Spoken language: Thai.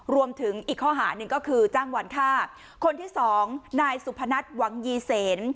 รวมถึงอีกข้อหาหนึ่งก็คือจ้างวันฆ่าคนที่สองนายสุพนัทหวังยีเสน